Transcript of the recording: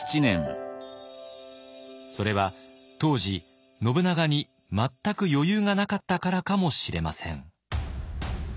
それは当時信長に全く余裕がなかったからかもしれません。